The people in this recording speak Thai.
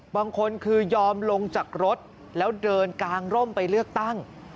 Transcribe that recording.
บางคนคือยอมลงจากรถแล้วเดินกางร่มไปเลือกตั้ง